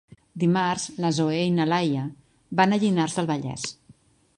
Dimarts na Zoè i na Laia van a Llinars del Vallès.